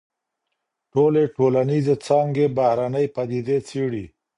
ټولي ټولنيزي څانګي بهرنۍ پديدې څېړي.